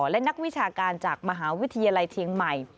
และนักวิชาการจากมหาวิทยาลัยเชียงใหม่